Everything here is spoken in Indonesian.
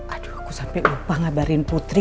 aduh aku sampai lupa ngabarin putri